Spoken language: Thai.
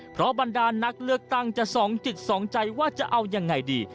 เพราะบรรดานักเลือกตั้งจะสองจิตสองใจว่าจะเอายังไงดี